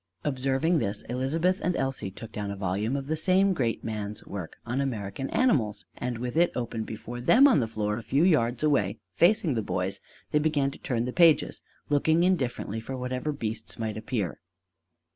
Observing this, Elizabeth and Elsie took down a volume of the same great man's work on American Animals; and with it open before them on the floor a few yards away, facing the boys, they began to turn the pages, looking indifferently for whatever beasts might appear.